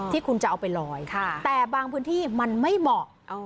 ที่คุณจะเอาไปลอยแต่บางพื้นที่มันไม่เหมาะ